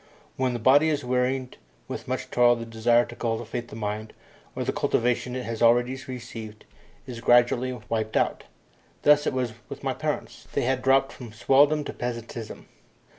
When the body is wearied with much toil the desire to cultivate the mind, or the cultivation it has already received, is gradually wiped out. Thus it was with my parents. They had dropped from swelldom to peasantism.